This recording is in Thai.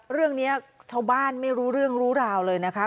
เรื่องนี้ชาวบ้านไม่รู้เรื่องรู้ราวเลยนะคะ